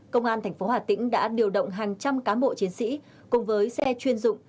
công an tp hà tĩnh đã điều động hàng trăm cán bộ chiến sĩ cùng với xe chuyên dụng